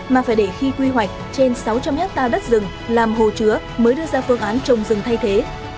mà phải để khi quy hoạch trên sáu trăm linh hectare đất rừng làm hồ chứa mới đưa ra phương án trồng rừng thay thế